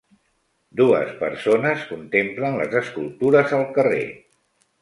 Dues persones contemplen les escultures al carrer.